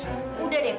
mama nih maunya apes